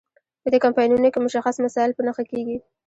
په دې کمپاینونو کې مشخص مسایل په نښه کیږي.